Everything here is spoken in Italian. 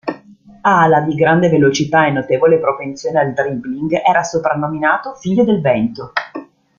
Ala di grande velocità e notevole propensione al dribbling, era soprannominato "figlio del vento".